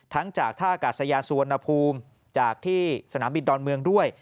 จากท่ากาศยานสุวรรณภูมิจากที่สนามบินดอนเมืองด้วย